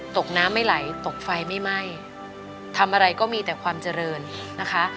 ตกน้ำไม่ไหลตกไฟไม่ไหม้ทำอะไรก็มีแต่ความเจริญนะคะ